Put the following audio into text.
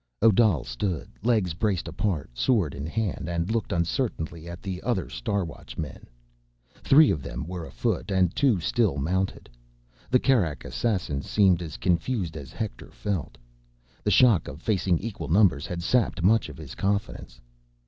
_ Odal stood, legs braced apart, sword in hand, and looked uncertainly at the other Star Watchmen. Three of them were afoot and two still mounted. The Kerak assassin seemed as confused as Hector felt. The shock of facing equal numbers had sapped much of his confidence.